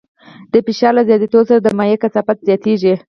د فشار له زیاتېدو سره د مایع کثافت زیاتېږي.